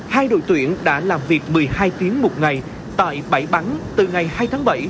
hai đội tuyển đã làm việc một mươi hai tiếng một ngày tại bảy bắn từ ngày hai tháng bảy